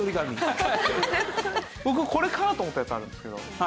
僕これかな？って思ったやつあるんですけど。